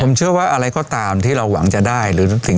ผมเชื่อว่าอะไรก็ตามที่เราหวังจะได้